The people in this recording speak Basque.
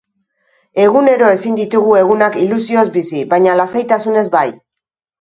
Egunero ezin ditugu egunak ilusioz bizi, baina lasaitasunez bai.